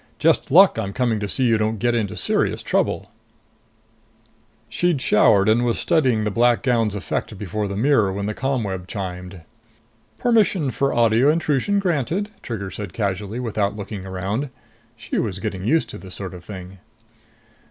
Just luck I'm coming back to see you don't get into serious trouble!" She'd showered and was studying the black gown's effect before the mirror when the ComWeb chimed. "Permission for audio intrusion granted," Trigger said casually without looking around. She was getting used to this sort of thing.